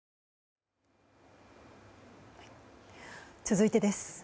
続いてです。